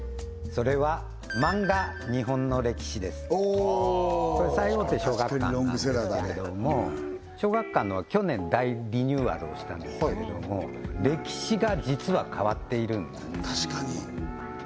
それはおおこれ最大手小学館なんですけれども小学館のは去年大リニューアルをしたんですけれども歴史が実は変わっているんです